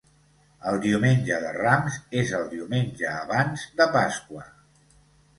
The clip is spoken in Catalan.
El Diumenge de Rams és el diumenge abans de Pasqua.